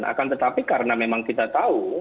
akan tetapi karena memang kita tahu